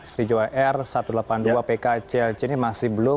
srijo r satu ratus delapan puluh dua pk clc ini masih belum